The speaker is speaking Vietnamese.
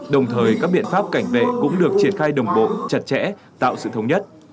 đồng thời các biện pháp cảnh vệ cũng được triển khai đồng bộ chặt chẽ tạo sự thống nhất